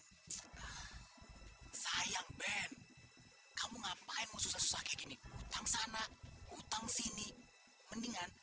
hai sayang ben kamu ngapain mau susah susah kayak gini utang sana utang sini mendingan